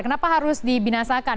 kenapa harus dibinasakan